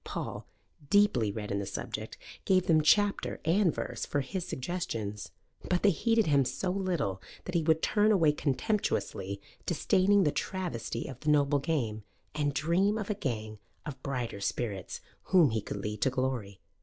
Paul, deeply read in the subject, gave them chapter and verse for his suggestions. But they heeded him so little that he would turn away contemptuously, disdaining the travesty of the noble game, and dream of a gang of brighter spirits whom he could lead to glory.